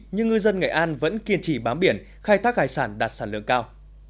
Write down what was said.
nhưng ngư dân nghệ an vẫn kiên trì bám biển khai thác hải sản đạt sản lượng cao